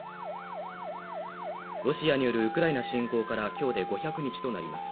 ロシアによるウクライナ侵攻から今日で５００日となります。